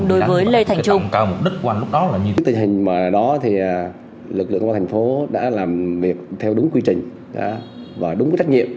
đối với lê thành trung